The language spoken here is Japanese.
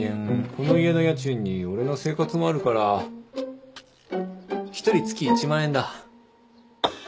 この家の家賃に俺の生活もあるから１人月１万円だ。